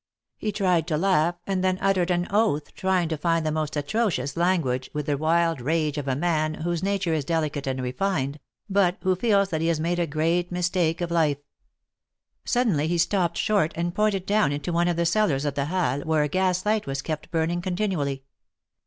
He tried to laugh, and then uttered an oath, trying to find the most atrocious language, with the wild rage of a man, whose nature is delicate and refined, but who feels that he has made a great mistake of life. 108 THE MARKETS OF PARIS. Suddenly he stopped short and pointed down into one of the cellars of the Halles, where a gas light was kept burning continually.